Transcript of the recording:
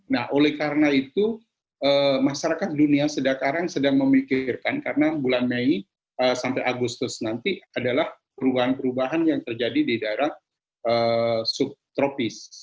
nah oleh karena itu masyarakat dunia sedang memikirkan karena bulan mei sampai agustus nanti adalah perubahan perubahan yang terjadi di daerah subtropis